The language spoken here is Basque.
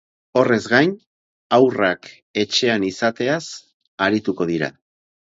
Horrez gain, haurrak etxean izateaz arituko dira.